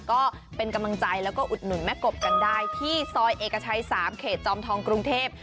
ก็เป็นกำลังใจแล้วก็อุดหนุนแม่กบกันได้ที่ซอยเอกชัย๓เขตจอมทองกรุงเทพ